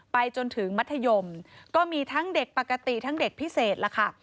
จนถึงมัธยมก็มีทั้งเด็กปกติทั้งเด็กพิเศษล่ะค่ะ